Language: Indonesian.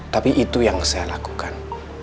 tapi itu yang saya lakukan